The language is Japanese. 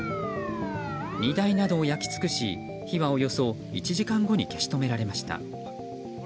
荷台などを焼き尽くし火はおよそ１時間後に消し止められました。